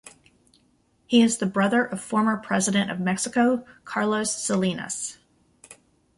He is the brother of former President of Mexico Carlos Salinas.